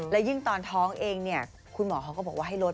และยิ่งตอนท้องเองเนี่ยคุณหมอเขาก็บอกว่าให้ลด